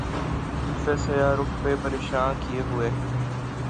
زلفِ سیاہ رُخ پہ پریشاں کیے ہوئے